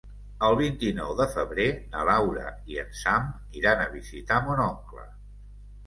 El vint-i-nou de febrer na Laura i en Sam iran a visitar mon oncle.